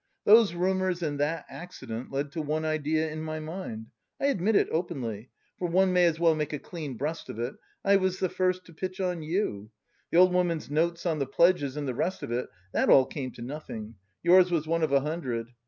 Those rumours and that accident led to one idea in my mind. I admit it openly for one may as well make a clean breast of it I was the first to pitch on you. The old woman's notes on the pledges and the rest of it that all came to nothing. Yours was one of a hundred.